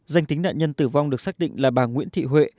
danh tính nạn nhân tử vong được xác định là bà nguyễn thị huệ